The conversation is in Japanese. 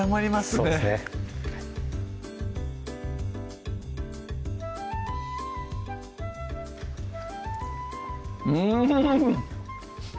そうですねうん！